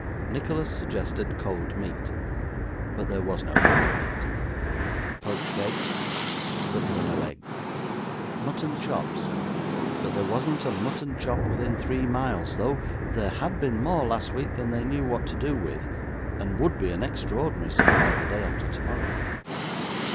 Nicholas suggested cold meat, but there was no cold meat poached eggs, but there were no eggs mutton chops, but there wasn't a mutton chop within three miles, though there had been more last week than they knew what to do with, and would be an extraordinary supply the day after tomorrow.